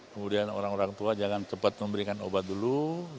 kemudian orang orang tua jangan cepat memberikan obat dulu